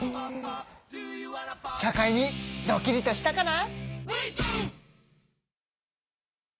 社会にドキリとしたかな？